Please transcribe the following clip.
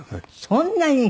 そんなに？